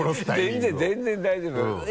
全然全然大丈夫よ。